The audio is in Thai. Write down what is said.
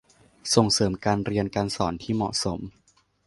ส่งเสริมการเรียนการสอนที่เหมาะสม